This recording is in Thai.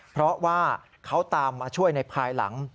เพราะว่าเขาตามมาช่วยในภายหลัง